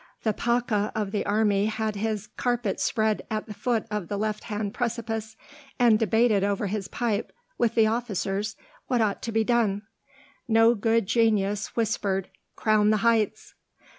The Pacha of the army had his carpet spread at the foot of the left hand precipice, and debated over his pipe with the officers what ought to be done. No good genius whispered "Crown the heights."